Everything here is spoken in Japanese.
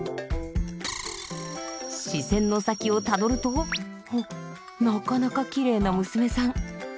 視線の先をたどるとおなかなかキレイな娘さん。